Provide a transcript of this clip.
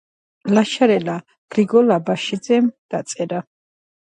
ინფექციის ღრმად გავრცელების შემთხვევაში ზიანდება კანქვეშა ქსოვილი, ძვალი და სახსრებიც კი.